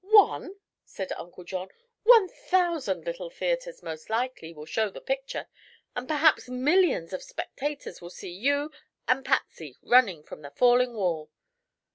"One?" said Uncle John. "One thousand little theatres, most likely, will show the picture, and perhaps millions of spectators will see you and Patsy running from the falling wall."